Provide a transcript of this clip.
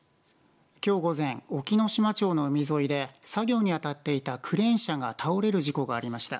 きょう午前隠岐の島町の海沿いで作業に当たっていたクレーン車が倒れる事故がありました。